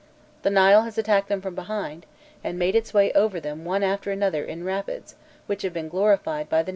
The Nile has attacked them from behind, and made its way over them one after another in rapids which have been glorified by the name of cataracts.